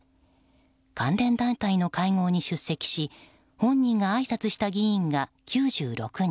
関連団体の会合に出席し本人があいさつした議員が９６人。